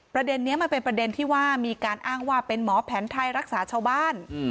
ประเด็นนี้มันเป็นประเด็นที่ว่ามีการอ้างว่าเป็นหมอแผนไทยรักษาชาวบ้าน